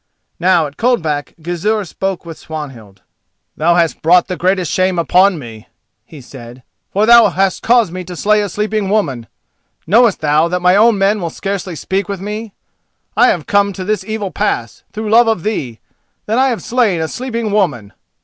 Now at Coldback Gizur spoke with Swanhild. "Thou hast brought the greatest shame upon me," he said, "for thou hast caused me to slay a sleeping woman. Knowest thou that my own men will scarcely speak with me? I have come to this evil pass, through love of thee, that I have slain a sleeping woman!"